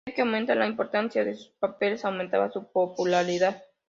A medida que aumentaba la importancia de sus papeles, aumentaba su popularidad.